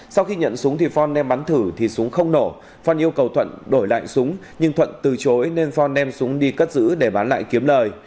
sau khi nhận súng thì phong đem bắn thử thì súng không nổ phong yêu cầu thuận đổi lại súng nhưng thuận từ chối nên phong đem súng đi cất giữ để bán lại kiếm lời